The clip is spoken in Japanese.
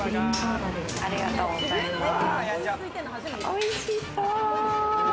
おいしそう！